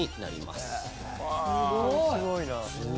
すごいな！